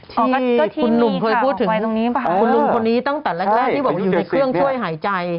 ก็ที่คุณลุงเคยพูดถึงคุณลุงคนนี้ตั้งแต่แรกที่บอกอยู่ในเครื่องช่วยหายใจ